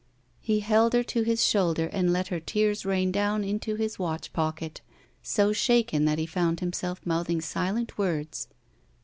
He held her to his shoulder and let her tears rain down into his watch pocket, so shaken that he found himself mouthing silent words.